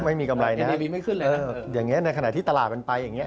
ไม่มีกำไรนะอย่างนี้ไม่ขึ้นเลยนะเอออย่างนี้ในขณะที่ตลาดมันไปอย่างนี้